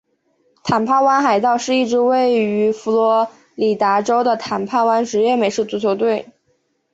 坦帕湾海盗是一支位于佛罗里达州的坦帕湾职业美式足球球队。